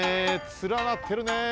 つらなってるねえ。